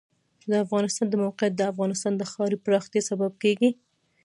د افغانستان د موقعیت د افغانستان د ښاري پراختیا سبب کېږي.